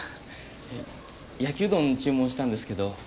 焼きうどん注文したんですけど。